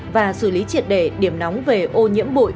và xử lý triệt đề điểm nóng về ô nhiễm bụi